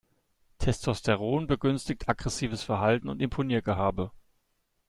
Testosteron begünstigt aggressives Verhalten und Imponiergehabe.